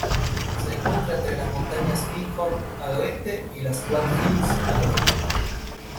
Se encuentra entre las montañas Bighorn al oeste y los Black Hills al este.